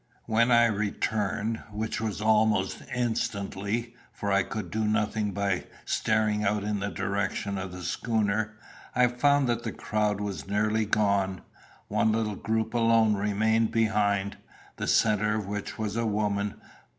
When I returned, which was almost instantly, for I could do nothing by staring out in the direction of the schooner, I found that the crowd was nearly gone. One little group alone remained behind, the centre of which was a woman.